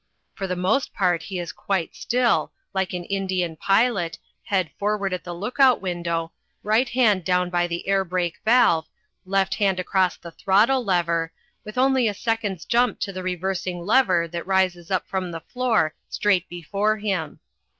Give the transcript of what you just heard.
For the most part he is quite still, like an Indian pilot, head forward at the lookout window, right hand down by the air brake valve, left hand across the throttle lever, with only a second's jump to the reversing lever that rises up from the floor straight before him.